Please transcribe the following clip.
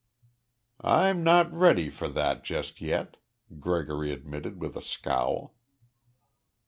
"I'm not ready for that just yet," Gregory admitted with a scowl.